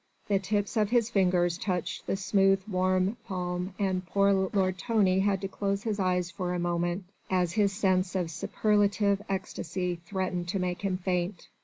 The tips of his fingers touched the smooth warm palm and poor Lord Tony had to close his eyes for a moment as his sense of superlative ecstasy threatened to make him faint.